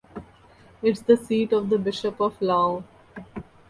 It is the seat of the Bishop of Laon.